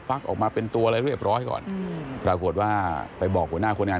ออกมาเป็นตัวอะไรเรียบร้อยก่อนอืมปรากฏว่าไปบอกหัวหน้าคนงาน